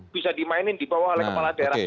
bisa dimainin di bawah oleh kepala daerah